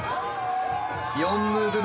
４ムーブ目。